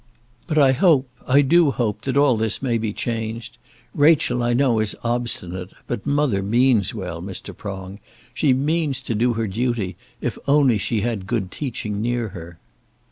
"But I hope; I do hope, that all this may be changed. Rachel I know is obstinate, but mother means well, Mr. Prong. She means to do her duty, if only she had good teaching near her."